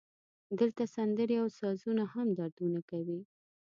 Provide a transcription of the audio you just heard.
دلته سندرې او سازونه هم دردونه کوي